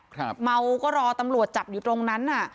ครับเมาก็รอตำลวดจับอยู่ตรงนั้นอ่ะ